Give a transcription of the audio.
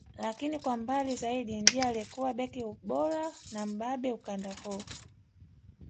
Lakini kwa mbali zaidi ndiye aliyekuwa beki bora na mbabe ukanda huu